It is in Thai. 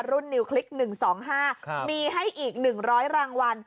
รุ่นนิวคลิกหนึ่งสองห้าครับมีให้อีกหนึ่งร้อยรางวัล